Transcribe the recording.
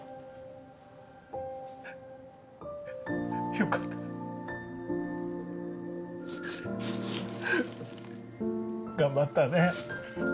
よかった。頑張ったね。